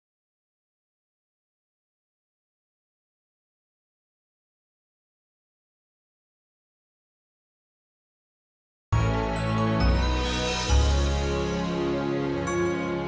ketemu lagi di video selanjutnya